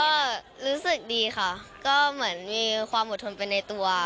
ก็รู้สึกดีค่ะก็เหมือนมีความอดทนไปในตัว